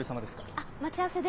あっ待ち合わせで。